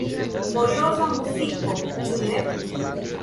Mojosa muziko, ĉu ne?